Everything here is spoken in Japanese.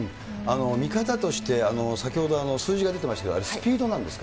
見方として、先ほど数字が出てましたけれども、あれ、スピードなんですか？